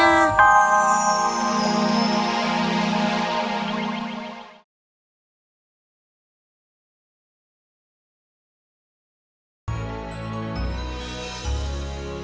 sampai jumpa lagi